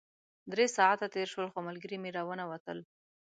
درې ساعته تېر شول خو ملګري مې راونه وتل.